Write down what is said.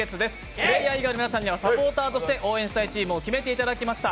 プレーヤー以外の皆さんにはサポーターとして応援したいチームを決めていただきました。